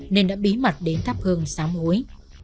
nên đã bí mật đến thắp hương xám hối